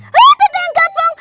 waduh udah yang gabung